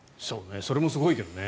それもすごいけどね。